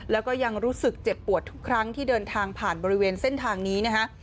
แล้วก็ยังรู้สึกเจ็บปวดทุกครั้งที่เดินทางผ่านบริเวณเส้นทางนี้นะฮะ